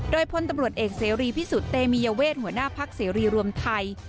โดยพลตำรวจเอกเสรีพิสุทธิ์เตมียเวทหัวหน้าพักเสรีรวมไทย